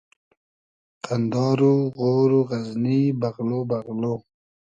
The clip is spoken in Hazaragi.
قئندار و غۉر و غئزنی بئغلۉ بئغلۉ